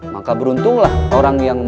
maka beruntunglah orang yang